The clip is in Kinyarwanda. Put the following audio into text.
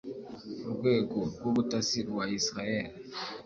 urwego rw’ubutasi rwa Israel